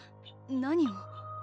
何を？